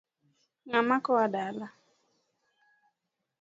Ngama kowa dala ?